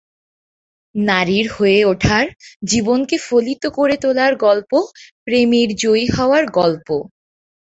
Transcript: নারীর হয়ে ওঠার, জীবনকে ফলিত করে তোলার গল্প, প্রেমের জয়ী হওয়ার গল্প।